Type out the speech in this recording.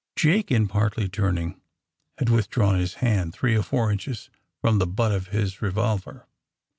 Jake, in partly turning, had withdrawn his hand three or four inches from the butt of his revolver.